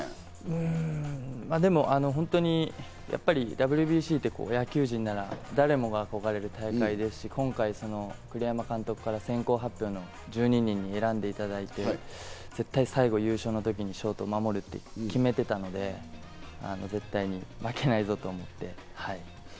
うん、でも、ＷＢＣって、野球人なら誰もが憧れる大会ですし、今回、栗山監督から先行発表の１２人に選んでいただいて、絶対最後ショートを守ると決めていたので、絶対に負けないぞ！ということで。